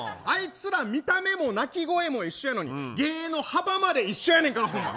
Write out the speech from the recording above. あいつら見た目も鳴き声も一緒やのに芸の幅まで一緒やねんから。